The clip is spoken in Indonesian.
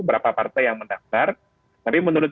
berapa partai yang mendaftar tapi menurut